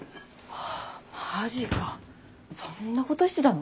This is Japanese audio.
マジかそんなことしてたの？